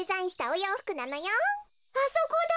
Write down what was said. あそこだ！